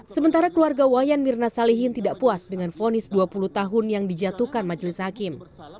sementara keluarga wayan mirna salihin tidak puas dengan fonis dua puluh tahun yang dijatuhkan majelis hakim